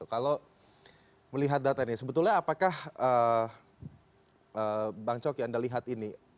kalau melihat data ini sebetulnya apakah bang coki anda lihat ini